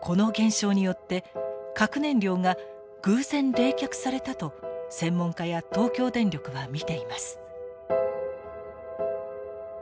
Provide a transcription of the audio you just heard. この現象によって核燃料が偶然冷却されたと専門家や東京電力は見ています。